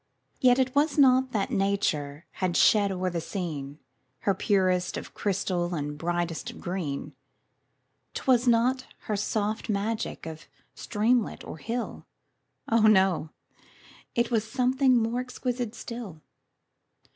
Yet it was not that nature had shed o'er the scene Her purest of crystal and brightest of green; 'Twas not her soft magic of streamlet or hill, Oh! no—it was something more exquisite still.